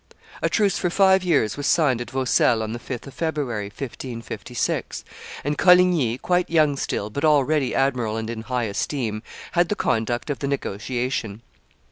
A truce for five years was signed at Vaucelles on the 5th of February, 1556; and Coligny, quite young still, but already admiral and in high esteem, had the conduct of the negotiation.